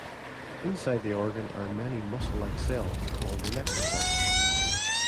Inside the organ are many muscle-like cells, called electrocytes.